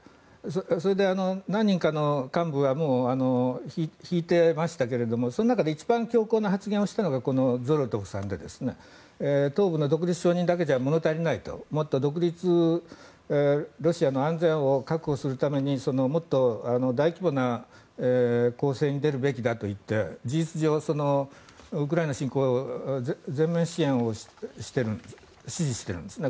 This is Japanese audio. それで、何人かの幹部はもう引いてましたけどその中で一番強硬な発言をしたのがこのゾロトフさんで東部の独立承認だけじゃ物足りないもっと独立ロシアの安全を確保するためにもっと大規模な攻勢に出るべきだと言って事実上、ウクライナ侵攻を全面支持してるんですね。